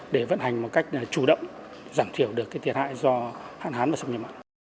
để vận hành một cách chủ động giảm thiểu được cái thiệt hại do hạn hán và sâm nhập mặn